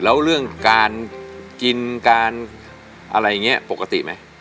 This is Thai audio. แล้วเรื่องการกินการอะไรอย่างนี้ปกติไหม